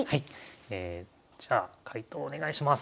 じゃあ解答お願いします。